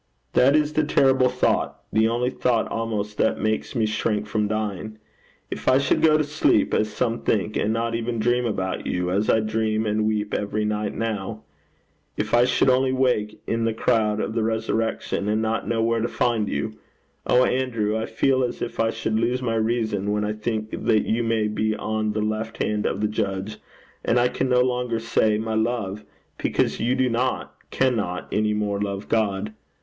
That is the terrible thought the only thought almost that makes me shrink from dying. If I should go to sleep, as some think, and not even dream about you, as I dream and weep every night now! If I should only wake in the crowd of the resurrection, and not know where to find you! Oh, Andrew, I feel as if I should lose my reason when I think that you may be on the left hand of the Judge, and I can no longer say my love, because you do not, cannot any more love God.